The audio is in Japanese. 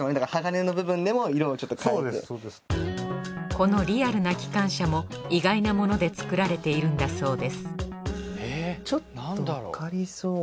このリアルな機関車も意外な物で作られているんだそうです